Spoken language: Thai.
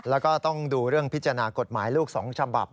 แล้วก็ต้องดูเรื่องพิจารณากฎหมายลูก๒ฉบับ